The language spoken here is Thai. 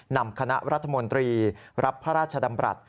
นำคณะรัฐมนตรีรับพระราชดำรัฐ